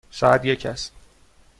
ساعت یک است.